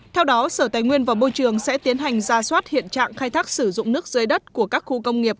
theo đó sở tài nguyên và môi trường sẽ tiến hành ra soát hiện trạng khai thác sử dụng nước dưới đất của các khu công nghiệp